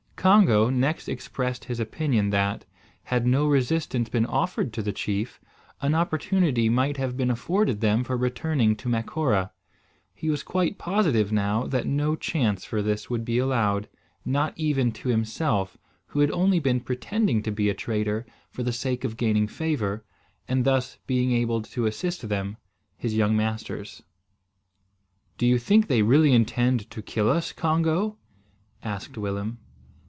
Congo next expressed his opinion that, had no resistance been offered to the chief, an opportunity might have been afforded them for returning to Macora. He was quite positive now that no chance for this would be allowed, not even to himself, who had only been pretending to be a traitor for the sake of gaining favour, and thus being enabled to assist them, his young masters. "Do you think they really intend to kill us, Congo?" asked Willem.